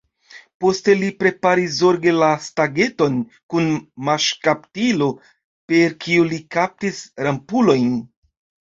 Poste li preparis zorge la stangeton kun maŝkaptilo, per kiu li kaptis rampulojn.